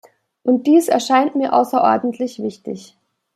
Und dies erscheint mir außerordentlich wichtig.